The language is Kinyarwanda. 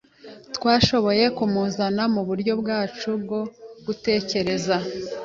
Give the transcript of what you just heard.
Twashoboye kumuzana muburyo bwacu bwo gutekereza.